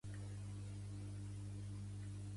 Recull de cançons i poemes convivals.